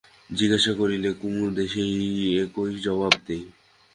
জিজ্ঞাসা করিলে কুমুদ সেই একই জবাব দেয়।